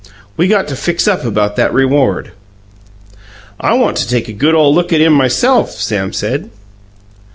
"We got to fix up about that reward." "I want to take a good ole look at him myself," Sam said.